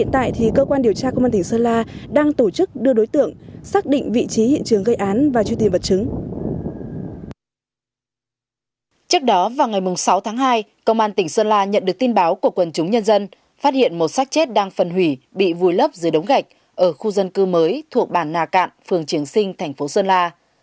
trước đó vào ngày sáu tháng hai công an tỉnh sơn la nhận được tin báo của quần chúng nhân dân phát hiện một sát chết đang phân hủy bị vùi lấp dưới đống cạch ở khu dân cư mới thuộc bản nà cạn phường triều sinh thành phố sơn la